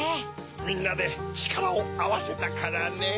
みんなでちからをあわせたからねぇ。